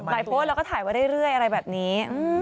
โพสต์แล้วก็ถ่ายไว้เรื่อยอะไรแบบนี้